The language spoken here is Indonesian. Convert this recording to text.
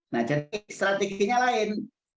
nah jadi strateginya lain